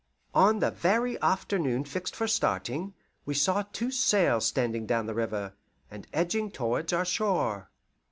On the very afternoon fixed for starting, we saw two sails standing down the river, and edging towards our shore.